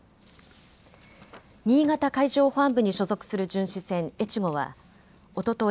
新潟海上保安部に所属する巡視船えちごはおととい